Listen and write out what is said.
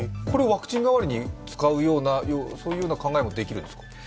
ワクチン代わりに使うような考えもできるんですか。